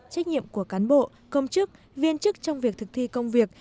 trách nhiệm của cán bộ công chức viên chức trong việc thực thi công việc